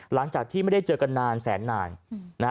หลังจากที่ไม่ได้เจอกันนานแสนนานนะฮะ